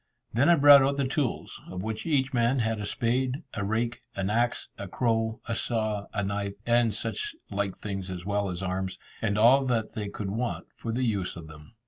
Then I brought out the tools, of which each man had a spade, a rake, an axe, a crow, a saw, a knife and such like things as well as arms, and all that they could want for the use of them.